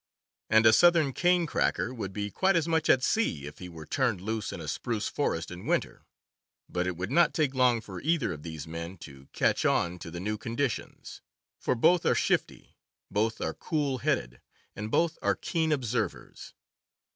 And a southern cane cracker would be quite as much at sea if he were turned loose in a spruce forest in winter. But it would not take long for either of these men to "catch on" to the new conditions; for both are shifty, both are cool headed, and both are keen observers.